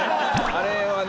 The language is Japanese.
あれはね。